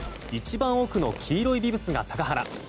一番奥の黄色いビブスが高原。